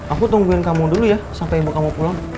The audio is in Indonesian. aku tungguin kamu dulu ya sampai ibu kamu pulang